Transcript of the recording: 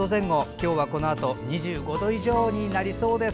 今日はこのあと２５度以上になりそうです。